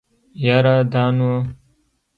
يره دا نو.